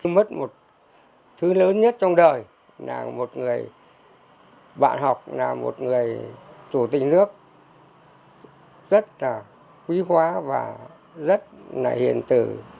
mất một thứ lớn nhất trong đời là một người bạn học là một người chủ tịch nước rất là quý hóa và rất là hiền tử